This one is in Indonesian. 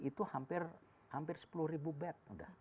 itu hampir sepuluh bed